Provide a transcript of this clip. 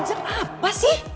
injak apa sih